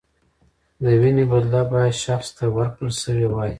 د وینې بدله باید شخص ته ورکړل شوې وای.